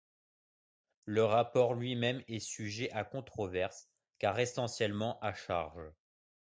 Le rapport lui-même est sujet à controverse car essentiellement à charge.